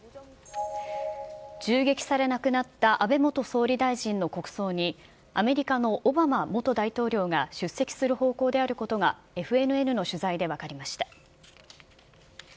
銃撃され、亡くなった安倍元総理大臣の国葬に、アメリカのオバマ元大統領が出席する方向であることが、ＦＮＮの取材で分かりました。